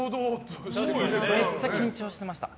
めっちゃ緊張してました。